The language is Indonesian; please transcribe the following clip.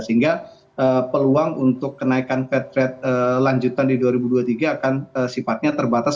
sehingga peluang untuk kenaikan fed rate lanjutan di dua ribu dua puluh tiga akan sifatnya terbatas